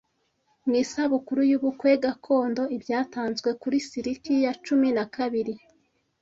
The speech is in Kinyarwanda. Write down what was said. Mu isabukuru yubukwe gakondo ibyatanzwe kuri Silk ya cumi na kabiri